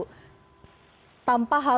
tanpa harus beri kesalahan